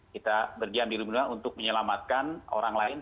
kita berdiam di rumah untuk menyelamatkan orang lain